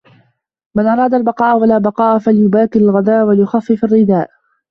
مَنْ أَرَادَ الْبَقَاءَ وَلَا بَقَاءَ فَلْيُبَاكِرْ الْغَدَاءَ وَلْيُخَفِّفْ الرِّدَاءَ